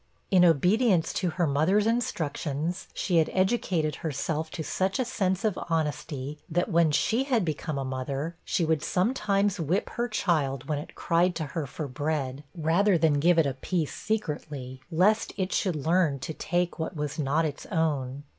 In obedience to her mother's instructions, she had educated herself to such a sense of honesty, that, when she had become a mother, she would sometimes whip her child when it cried to her for bread, rather than give it a piece secretly, lest it should learn to take what was not its own!